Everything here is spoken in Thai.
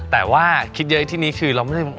แต่ว่าคิดเยอะที่นี่คือ